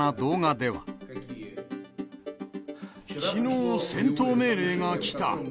きのう、戦闘命令が来た。